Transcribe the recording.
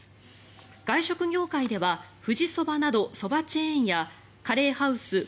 外食業界では富士そばなどそばチェーンやカレーハウスＣｏＣｏ壱